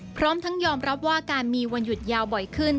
พร้อมทั้งยอมรับว่าการมีวันหยุดยาวบ่อยขึ้น